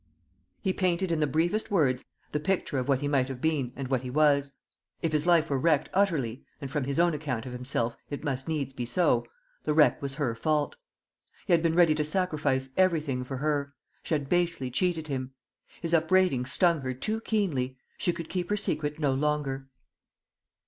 He painted in the briefest words the picture of what he might have been, and what he was. If his life were wrecked utterly and from his own account of himself it must needs be so, the wreck was her fault. He had been ready to sacrifice everything for her. She had basely cheated him. His upbraiding stung her too keenly; she could keep her secret no longer.